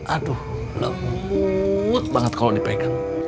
aduh mut banget kalau dipegang